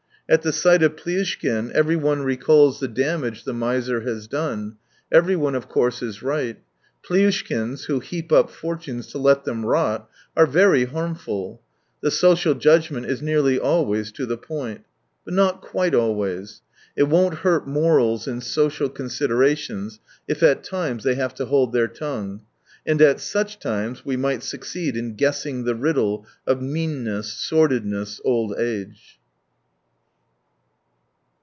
At the sight of Plyuahkjn everyone recalls the 9a damage the miser has done. Everyone of course is right : Plyushkins, who heap up fortunes to let them rot, are very harmful. The social judgment is nearly always to the point. But not quite always. It won't hurt morals and social considerations if at times they have to hold their tongue^— and at such times we might succeed in guessing the riddle of meanness, sordidness, old age.